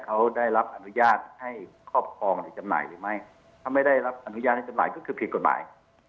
เขาได้รับอนุญาตให้ครอบครองในจำหน่ายหรือไม่ถ้าไม่ได้รับอนุญาตให้จำหน่ายก็คือผิดกฎหมาย